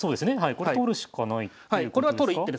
これ取るしかないっていうことですか？